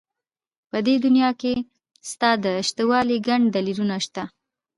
په دې دنيا کې ستا د شتهوالي گڼ دلیلونه شته.